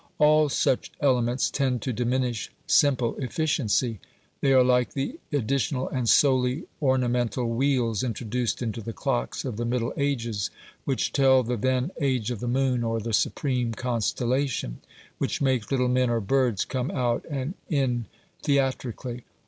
All such elements tend to diminish simple efficiency. They are like the additional and solely ornamental wheels introduced into the clocks of the Middle Ages, which tell the then age of the moon or the supreme constellation; which make little men or birds come out and in theatrically.